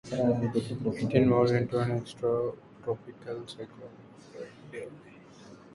It evolved into an extratropical cyclone the following day.